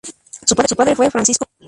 Su padre fue Francisco Vidal.